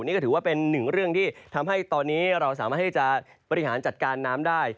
นี่ก็ถือว่าเป็นหนึ่งเรื่องที่ทำให้ตอนนี้เราสามารถที่จะบริหารจัดการน้ำได้